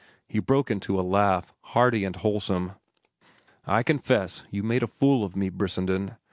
He broke into a laugh, hearty and wholesome. "I confess you made a fool of me, Brissenden.